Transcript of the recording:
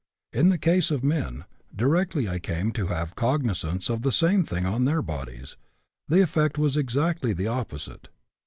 In the case of men, directly I came to have cognizance of the same thing on their bodies, the effect was exactly the opposite.